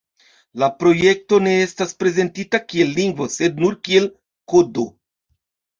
La projekto ne estas prezentita kiel lingvo, sed nur kiel "kodo".